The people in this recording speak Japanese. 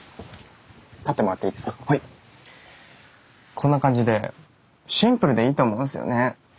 こんな感じでシンプルでいいと思うんですよね。